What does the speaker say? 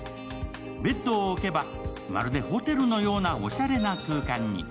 ベッドを置けばまるでホテルのようなおしゃれな空間に。